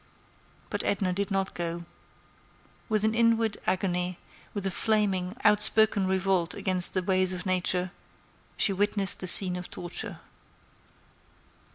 But Edna did not go. With an inward agony, with a flaming, outspoken revolt against the ways of Nature, she witnessed the scene of torture.